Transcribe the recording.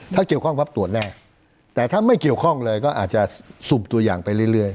ถ้าเกี่ยวข้องปั๊บตรวจแน่แต่ถ้าไม่เกี่ยวข้องเลยก็อาจจะสุ่มตัวอย่างไปเรื่อย